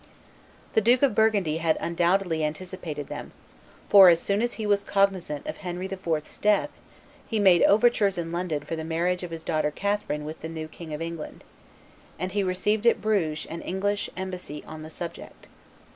The Duke of Burgundy had undoubtedly anticipated them, for, as soon as he was cognizant of Henry IV.'s death, he made overtures in London for the marriage of his daughter Catherine with the new King of England, and he received at Bruges an English embassy on the subject.